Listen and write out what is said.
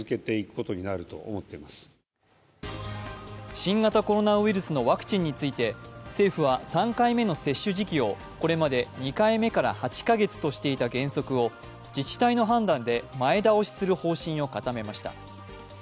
新型コロナウイルスのワクチンについて政府は３回目の接種時期をこれまで２回目から８カ月としていた原則を自治体の判断で前倒しする方針を固めました。